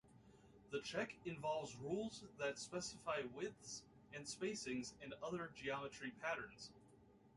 The check involves rules that specify widths and spacings and other geometry patterns.